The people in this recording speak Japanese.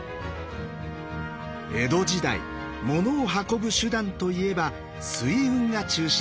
江戸時代物を運ぶ手段といえば水運が中心でした。